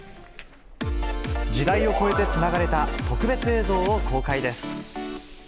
時代を超えてつながれた特別映像を公開です。